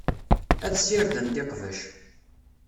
Ad ssirdent iqbac.